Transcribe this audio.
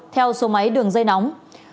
theo số máy đường dây nóng